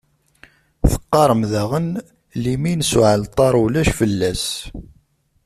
Teqqarem daɣen: Limin s uɛalṭar, ulac fell-as.